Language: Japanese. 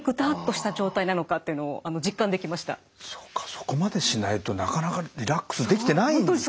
そこまでしないとなかなかリラックスできてないんですね。